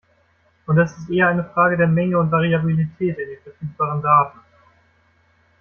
Und es ist eher eine Frage der Menge und Variabilität in den verfügbaren Daten.